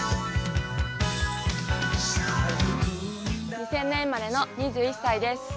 ２０００年生まれの２１歳です。